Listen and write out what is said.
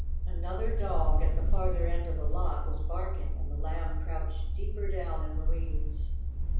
Another dog, at the farther end of the lot, was barking, and the Lamb crouched deeper down in the weeds.